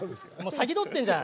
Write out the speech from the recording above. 先取ってんじゃん。